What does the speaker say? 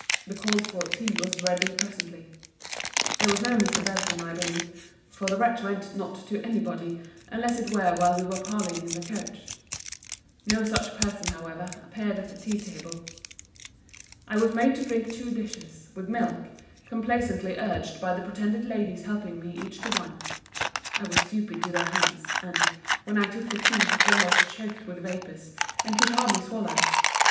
The called for tea was ready presently. There was no Mr. Belton, I believe: for the wretch went not to any body, unless it were while we were parlying in the coach. No such person however, appeared at the tea table. I was made to drink two dishes, with milk, complaisantly urged by the pretended ladies helping me each to one. I was stupid to their hands; and, when I took the tea, almost choked with vapours; and could hardly swallow.